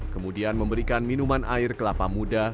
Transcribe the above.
kemudian memberikan minuman air kelapa muda